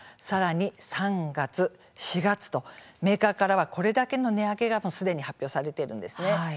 さらに３月、４月とメーカーからは、これだけの値上げがすでに発表されています。